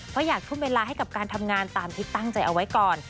เพราะอยากทุ่มเวลาให้กับการทำงานตามที่ตั้งใจเอาไว้ก่อน